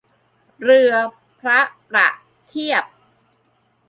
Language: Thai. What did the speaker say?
เรือพระประเทียบ